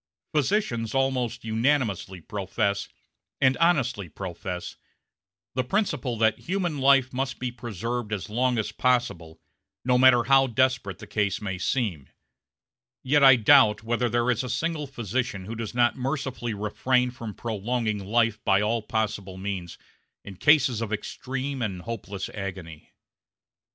Physicians almost unanimously profess, and honestly profess, the principle that human life must be preserved as long as possible, no matter how desperate the case may seem; yet I doubt whether there is a single physician who does not mercifully refrain from prolonging life by all possible means in cases of extreme and hopeless agony.